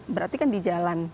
berarti kan di jalan